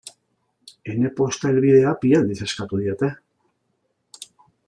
Ene posta helbidea bi aldiz eskatu didate.